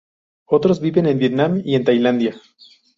Otros viven en Vietnam y en Tailandia.